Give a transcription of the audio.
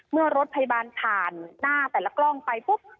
เมื่อรถพยาบาลผ่านหน้าแต่ละกล้องไปปุ๊บ